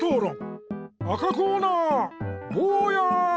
赤コーナーぼうや！